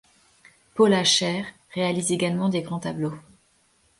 Paula Scher réalise également des grands tableaux.